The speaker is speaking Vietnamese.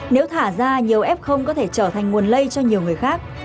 nếu thả ra nhiều f có thể trở thành nguồn lây cho nhiều người khác